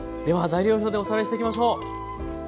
では材料表でおさらいしていきましょう。